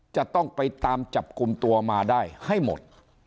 จะต้องไปตามจับกลุ่มตัวมาได้ให้หมด